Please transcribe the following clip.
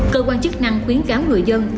cơ quan chức năng khuyến cáo người dân